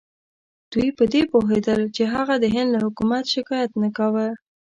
دوی په دې پوهېدل چې هغه د هند له حکومت شکایت نه کاوه.